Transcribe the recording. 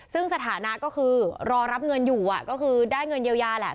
ซึ่งสถานะก็คือรอรับเงินอยู่ก็คือได้เงินเยียวยาแหละ